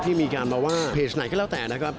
มีการมาว่าเพจไหนก็แล้วแต่นะครับ